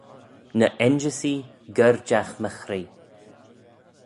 Ny ainjysee gerjagh my chree.